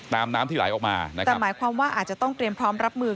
น้ำที่ไหลออกมานะครับแต่หมายความว่าอาจจะต้องเตรียมพร้อมรับมือ